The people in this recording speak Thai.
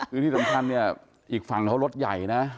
คือที่สำคัญเนี่ยอีกฝั่งเขารถใหญ่นะ